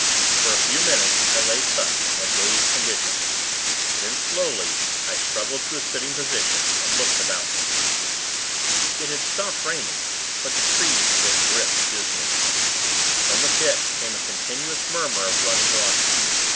For a few minutes, I lay thus, in a dazed condition; then, slowly, I struggled to a sitting position, and looked about me. It had stopped raining, but the trees still dripped, dismally. From the Pit, came a continuous murmur of running water.